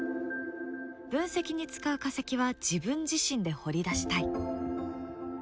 分析に使う化石は自分自身で掘り出したい。